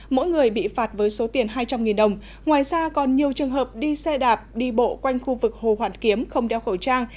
mỗi người bị phạt với số tiền hai trăm linh đồng ngoài ra còn nhiều trường hợp đi xe đạp đi bộ quanh khu vực hồ hoàn kiếm không đeo khẩu trang